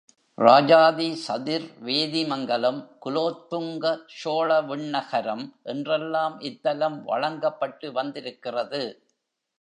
ராஜாதி சதுர்வேதிமங்கலம், குலோத்துங்க சோழவிண்ணகரம் என்றெல்லாம் இத்தலம் வழங்கப்பட்டு வந்திருக்கிறது.